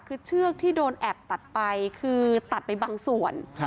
คือเชือกที่โดนแอบตัดไปคือตัดไปบางส่วน